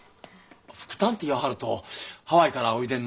副担っていわはるとハワイからおいでになったっていう？